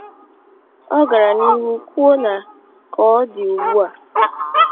Ọ gara n’ihu kwuo na ka ọ dị ugbua